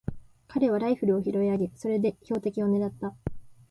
彼はライフルを拾い上げ、それで標的をねらった。